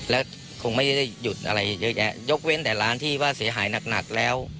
แล้วคงไม่ได้หยุดอะไรเยอะแยะยกเว้นแต่ร้านที่ว่าเสียหายหนักแล้ว